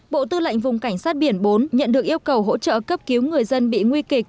bộ tư lệnh vùng cảnh sát biển bốn nhận được yêu cầu hỗ trợ cấp cứu người dân bị nguy kịch